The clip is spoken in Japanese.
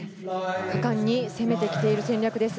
果敢に攻めてきている戦略です。